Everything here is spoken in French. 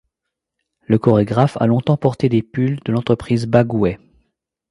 Le chorégraphe a longtemps porté des pulls de l'entreprise Bagouet.